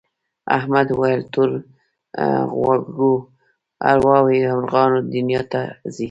احمد وویل تور غوږو ارواوې مرغانو دنیا ته ځي.